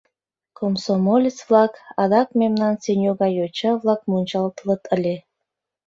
Комсомолец-влак, адак мемнан Сеню гай йоча-влак мунчалтылыт ыле.